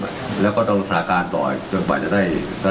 เราก็ต้องรักษาการต่อจนจะได้ราตราบาลใหม่